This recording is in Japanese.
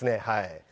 はい。